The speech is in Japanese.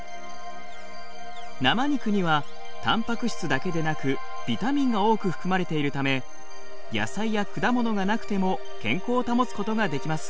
生肉にはたんぱく質だけでなくビタミンが多く含まれているため野菜や果物がなくても健康を保つことができます。